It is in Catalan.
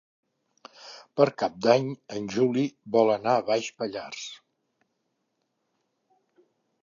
Per Cap d'Any en Juli vol anar a Baix Pallars.